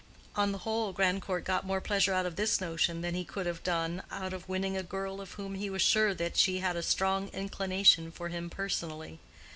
On the whole, Grandcourt got more pleasure out of this notion than he could have done out of winning a girl of whom he was sure that she had a strong inclination for him personally.